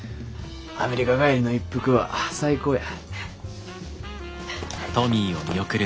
アメリカ帰りの一服は最高や。